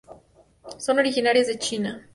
Son originarias de China.